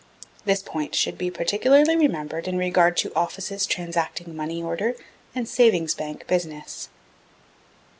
This point should be particularly remembered in regard to offices transacting Money Order and Savings Bank business.